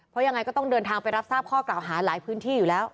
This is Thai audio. เพราะยังไงก็ต้องเดินทางไปรับทราบข้อกล่าวหาหลายพื้นที่อยู่แล้ว